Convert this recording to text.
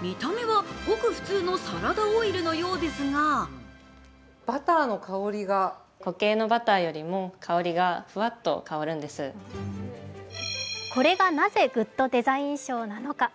見た目は、ごく普通のサラダオイルのようですがこれがなぜグッドデザイン賞なのか。